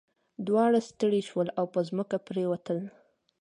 دواړه ستړي شول او په ځمکه پریوتل.